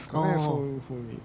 そういうふうに。